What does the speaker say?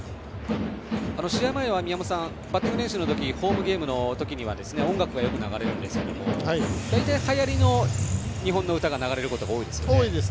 宮本さん、試合前のバッティング練習の時にはホームゲームのときには音楽がよく流れるんですけども大体、はやりの日本の歌が流れることが多いですよね。